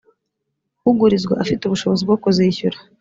ugurizwa afite ubushobozi bwo kuzishyura